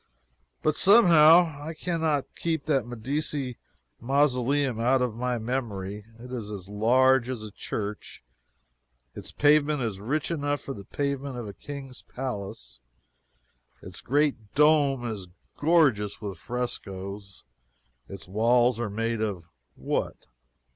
But somehow, I can not keep that Medici mausoleum out of my memory. It is as large as a church; its pavement is rich enough for the pavement of a King's palace; its great dome is gorgeous with frescoes; its walls are made of what?